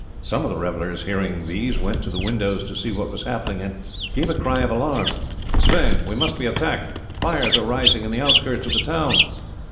Some of the revellers hearing these went to the windows to see what was happening, and gave a cry of alarm. "Sweyn, we must be attacked; fires are rising in the outskirts of the town."